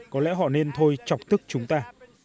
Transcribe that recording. có lẽ họ nên thôi chọc tức chúng ta